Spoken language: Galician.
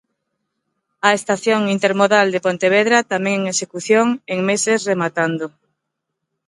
A estación intermodal de Pontevedra tamén en execución, en meses rematando.